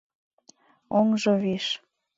Оҥжо виш.